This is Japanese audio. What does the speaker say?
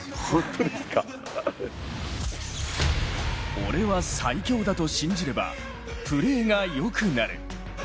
「俺は最強だ」と信じればプレーがよくなる。